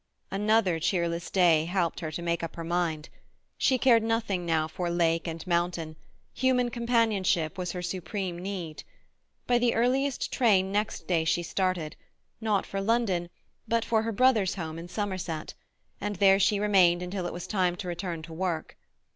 Another cheerless day helped her to make up her mind. She cared nothing now for lake and mountain; human companionship was her supreme need. By the earliest train next day she started, not for London, but for her brother's home in Somerset, and there she remained until it was time to return to work.